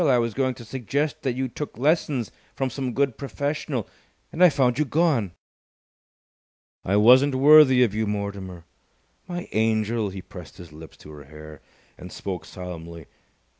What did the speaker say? I was going to suggest that you took lessons from some good professional. And I found you gone!" "I wasn't worthy of you, Mortimer!" "My angel!" He pressed his lips to her hair, and spoke solemnly.